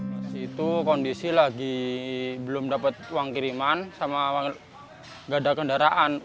di situ kondisi lagi belum dapat uang kiriman sama nggak ada kendaraan